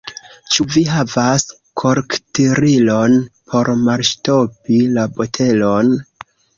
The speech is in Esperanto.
Ĉu vi havas korktirilon, por malŝtopi la botelon?